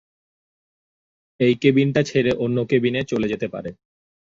এই কেবিনটা ছেড়ে অন্য কেবিনে চলে যেতে পারেন।